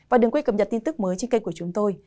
và đừng quê cập nhật tin tức mới trên kênh của chúng tôi